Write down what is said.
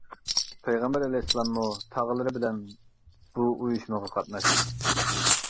پەيغەمبەر ئەلەيھىسسالاممۇ تاغىلىرى بىلەن بۇ ئۇيۇشمىغا قاتناشتى.